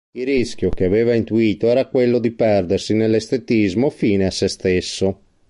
Il rischio che aveva intuito era quello di perdersi nell'estetismo fine a sé stesso.